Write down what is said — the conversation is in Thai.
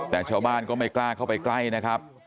แต่ชาวบ้านก็ไม่กล้าเข้าไปใกล้นะครับ